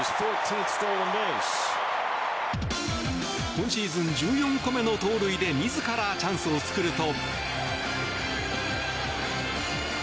今シーズン１４個目の盗塁で自らチャンスを作ると。